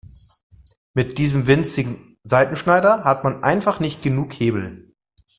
Mit diesem winzigen Seitenschneider hat man einfach nicht genug Hebel.